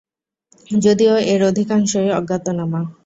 যদিও এর অধিকাংশই অজ্ঞাতনামা।